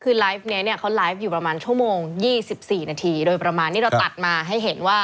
คือไลฟ์นี้เนี่ยเขาไลฟ์อยู่ประมาณชั่วโมง๒๔นาทีโดยประมาณนี้เราตัดมาให้เห็นว่า